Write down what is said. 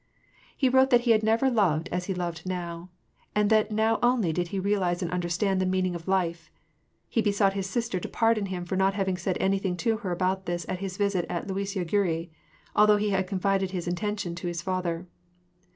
He wrote that he had never before loved as he loved now ; and that now only did he realize and understand the meaning of life ; he besought his sister to pardon him for not having said anything to her about this at his visit at Luisiya Gorui, although he had confided his intention to his father.